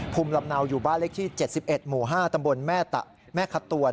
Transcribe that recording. ภูมิลำเนาอยู่บ้านเลขที่๗๑หมู่๕ตำบลแม่คัตตวน